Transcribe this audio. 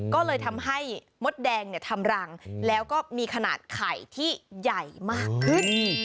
ก็เลยทำให้มดแดงทำรังแล้วก็มีขนาดไข่ที่ใหญ่มากขึ้น